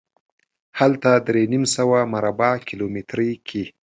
هلته درې نیم سوه مربع کیلومترۍ کې.